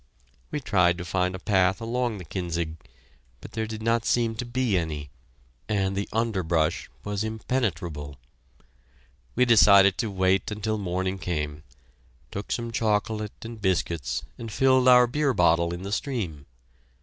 We tried to find a path along the Kinzig, but there did not seem to be any, and the underbrush was impenetrable. We decided to wait until morning came, took some chocolate and biscuits and filled our beer bottle in the stream.